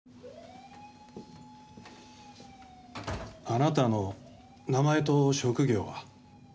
あなたの名前と職業は？